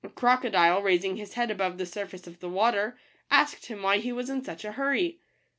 A crocodile, raising his head above the surface of the water, asked him why he was in such a hurry.